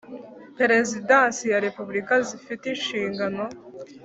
Perezidansi ya Repubulika zifite inshingano